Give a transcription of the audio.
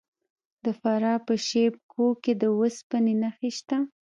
د فراه په شیب کوه کې د وسپنې نښې شته.